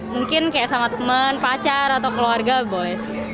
mungkin kayak sama teman pacar atau keluarga boleh sih